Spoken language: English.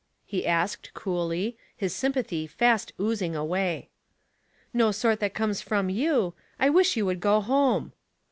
" he asked, coolly, his sympathy fast oozing away. " No sort that comes from you. I wish you would go home."